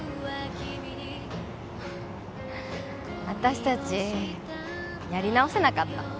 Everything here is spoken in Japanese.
私たちやり直せなかった。